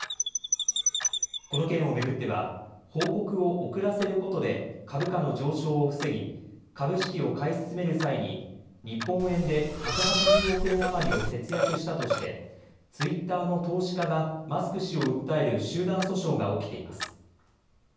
この件を巡っては報告を遅らせることで株価の上昇を防ぎ株式を買い進める際に日本円で１８０億円余りを節約したとしてツイッターの投資家がマスク氏を訴える集団訴訟が起きています。